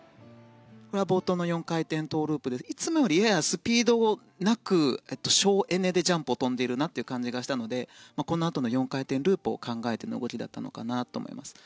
冒頭の４回転トウループでいつもよりややスピードなく省エネでジャンプを跳んでいるなという感じがしたのでこの後の４回転ループを考えての動きだったのかなと思います。